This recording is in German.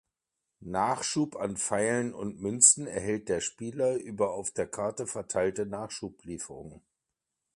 Nachschub an Pfeilen und Münzen erhält der Spieler über auf der Karte verteilte "Nachschublieferungen".